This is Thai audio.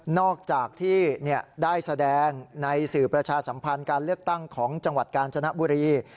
อกจากที่ได้แสดงในสื่อประชาสัมพันธ์การเลือกตั้งของจังหวัดกาญจนบุรี